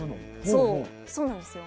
そうなんですよ。